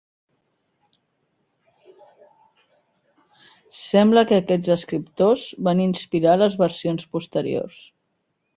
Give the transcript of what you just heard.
Sembla que aquests escriptors van inspirar les versions posteriors.